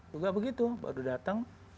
juga begitu baru datang